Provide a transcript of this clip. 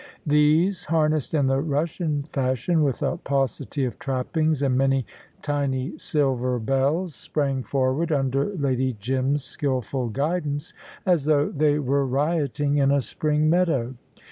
These, harnessed in the Russian fashion, with a paucity of trappings and many tiny silver bells, sprang forward, under Lady Jim's skilful guidance, as though they were rioting in a spring meadow.